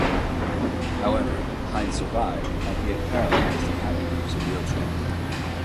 However, Hyde survived, albeit paralysed and having to use a wheelchair.